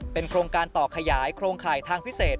โครงการต่อขยายโครงข่ายทางพิเศษ